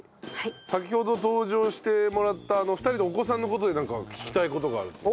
先ほど登場してもらった２人のお子さんの事でなんか聞きたい事があると。